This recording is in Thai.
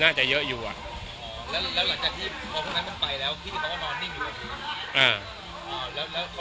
น่าจะเยอะอยู่อ่ะ